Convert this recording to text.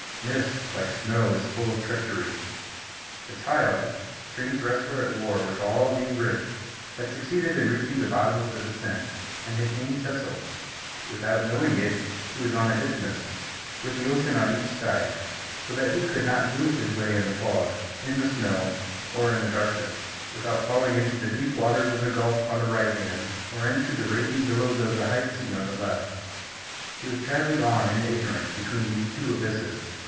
Mist, like snow, is full of treachery. The child, strange wrestler at war with all these risks, had succeeded in reaching the bottom of the descent, and had gained Chesil. Without knowing it he was on an isthmus, with the ocean on each side; so that he could not lose his way in the fog, in the snow, or in the darkness, without falling into the deep waters of the gulf on the right hand, or into the raging billows of the high sea on the left. He was travelling on, in ignorance, between these two abysses.